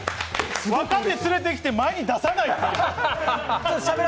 若手連れてきて前に出さない。